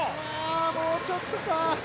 もうちょっとか。